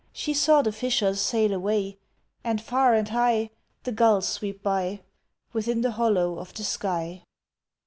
She saw the fishers sail away, And, far and high, The gulls sweep by Within the hollow of the sky!